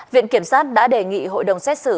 viện kiểm sát đã đề nghị hội đồng xét xử